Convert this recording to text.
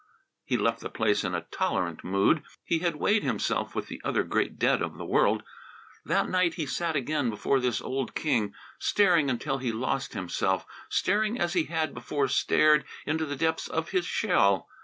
He left the place in a tolerant mood. He had weighed himself with the other great dead of the world. That night he sat again before this old king, staring until he lost himself, staring as he had before stared into the depths of his shell.